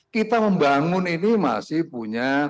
kita membangun ini masih punya